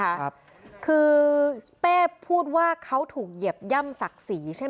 แม่อยากดูว่าไอ้คนเนี้ยมันน่าตายังไง